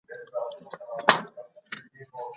د جرګي په بریا کي د ټولو خلکو ونډه وه.